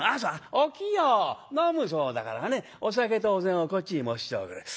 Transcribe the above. お清飲むそうだからねお酒とお膳をこっちに持ってきておくれ。